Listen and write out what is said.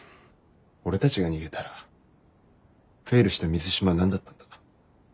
俺たちが逃げたらフェイルした水島は何だったんだ。